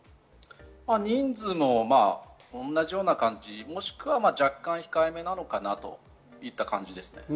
人数も同じような感じ、もしくは若干控え目なのかなと言った感じですね。